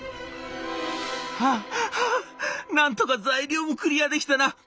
「はあはあなんとか材料もクリアできたな。